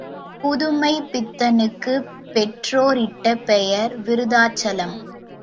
புதுமைப் பித்தனுக்கு பெற்றோர் இட்ட பெயர் விருத்தாசலம்.